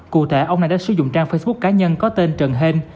cụ thể ông này đã sử dụng trang facebook cá nhân có tên trần hên